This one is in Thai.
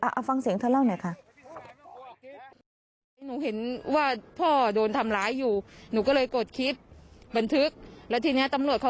เอาฟังเสียงเธอเล่าหน่อยค่ะ